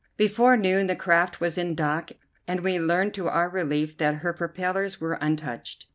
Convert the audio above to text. Before noon the craft was in dock, and we learned to our relief that her propellers were untouched.